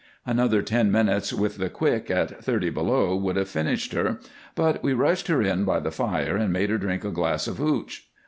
Another ten minutes with the "quick" at thirty below would have finished her, but we rushed her in by the fire and made her drink a glass of "hootch."